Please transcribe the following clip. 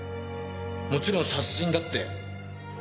もちろん殺人だって。